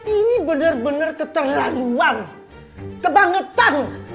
ini bener bener keterlaluan kebangetan